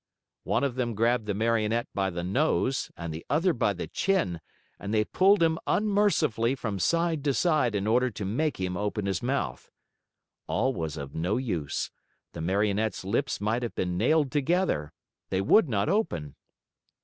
One of them grabbed the Marionette by the nose and the other by the chin, and they pulled him unmercifully from side to side in order to make him open his mouth. All was of no use. The Marionette's lips might have been nailed together. They would not open.